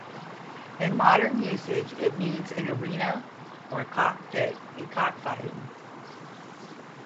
In modern usage, it means an arena, or a cockpit in cockfighting.